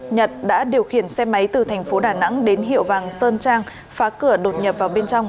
nhật đã điều khiển xe máy từ thành phố đà nẵng đến hiệu vàng sơn trang phá cửa đột nhập vào bên trong